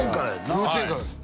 幼稚園からです